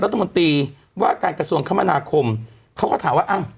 รัฐมนตรีว่าการกระทรวงคมนาคมเขาก็ถามว่าอ้าว